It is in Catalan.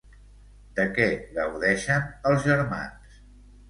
De què gaudeixen els germans?